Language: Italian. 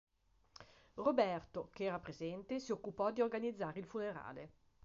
Roberto, che era presente, si occupò di organizzare il funerale.